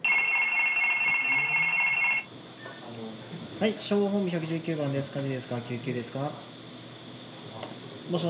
☎はい消防本部１１９番です。